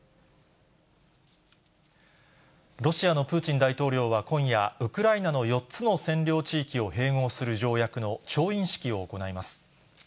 ロシアのプーチン大統領は、今夜、ウクライナの４つの占領地域を併合する条約の調印式を行います。